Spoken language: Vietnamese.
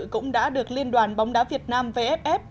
cũng đã được liên đoàn bóng đá việt nam vff